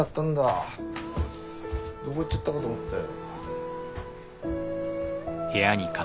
どこ行っちゃったかと思ったよ。